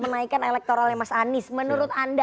menaikkan elektoralnya mas anies menurut anda